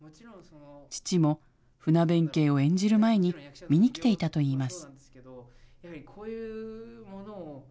父も船弁慶を演じる前に見に来ていたといいます。